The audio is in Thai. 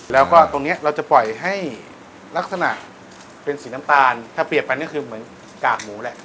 แล้วก็ตรงนี้เราจะปล่อยให้ลักษณะเป็นสีน้ำตาลถ้าเปรียบไปนี่คือเหมือนกากหมูแหละ